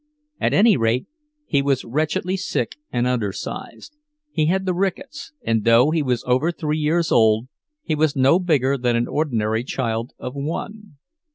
At any rate he was wretchedly sick and undersized; he had the rickets, and though he was over three years old, he was no bigger than an ordinary child of one.